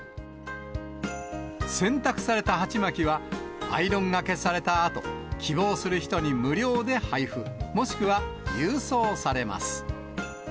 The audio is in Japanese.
洗濯されたはちまきは、アイロンがけされたあと、希望する人に無料で配布、もしくは郵送されます。